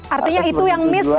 artinya itu yang miss